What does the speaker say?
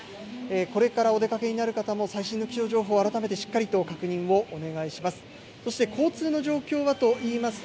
これからお出かけになる方も、最新の気象情報を改めてしっかりと確認をお願いします。